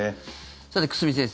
さて、久住先生